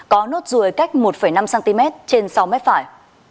có nốt ruồi cách một năm cm trên sau mép phải